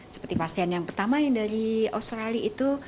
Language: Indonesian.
seperti pasien yang pertama yang dari australia itu